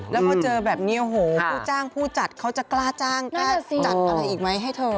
แล้วพอเจอแบบนี้โอ้โหผู้จ้างผู้จัดเขาจะกล้าจ้างกล้าจัดอะไรอีกไหมให้เธอ